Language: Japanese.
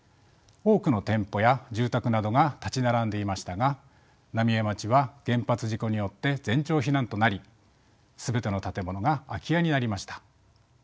多くの店舗や住宅などが立ち並んでいましたが浪江町は原発事故によって全町避難となり全ての建物が空き家になりました。